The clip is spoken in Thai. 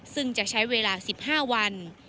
ซึ่งจะใช้เวลา๑๕วัน